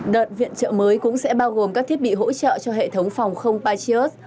đợt viện trợ mới cũng sẽ bao gồm các thiết bị hỗ trợ cho hệ thống phòng không patriot